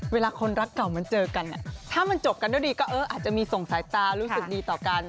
เวลาคนรักเก่ามันเจอกันถ้ามันจบกันด้วยดีก็เอออาจจะมีส่งสายตารู้สึกดีต่อกัน